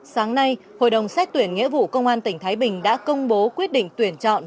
sáng nay hội đồng xét tuyển nghĩa vụ công an tỉnh thái bình đã công bố quyết định tuyển chọn